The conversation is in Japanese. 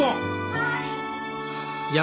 はい。